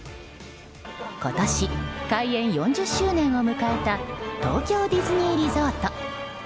今年、開園４０周年を迎えた東京ディズニーリゾート。